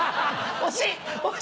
惜しい！